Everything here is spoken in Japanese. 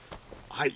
はい。